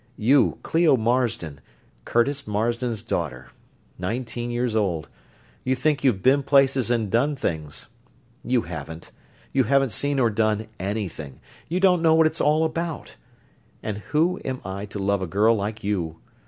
You, Clio Marsden, Curtis Marsden's daughter. Nineteen years old. You think you've been places and done things. You haven't. You haven't seen or done anything you don't know what it's all about. And who am I to love a girl like you?